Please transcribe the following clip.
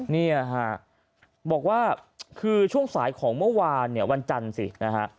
เนี่ยฮะบอกว่าคือช่วงสายของเมื่อวานเนี่ยวันจันทร์สินะฮะ